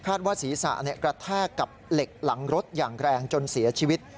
ว่าศีรษะกระแทกกับเหล็กหลังรถอย่างแรงจนเสียชีวิต